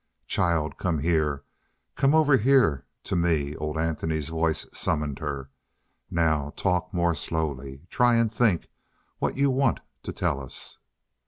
"Child, come here come here over to me " Old Anthony's voice summoned her. "Now talk more slowly try and think what you want to tell us....